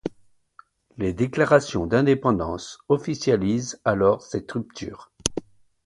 Les déclarations d'indépendance officialisent alors cette rupture.